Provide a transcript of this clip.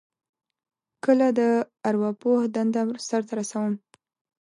کله د ارواپوه دنده سرته رسوم.